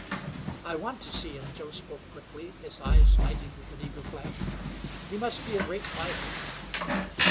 "I want to see him," Joe spoke quickly, his eyes lighting with an eager flash. "He must be a great fighter."